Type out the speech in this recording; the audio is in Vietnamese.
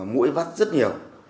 mũi vắt rất nhiều